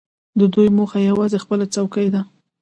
د دوی موخه یوازې خپله څوکۍ ده.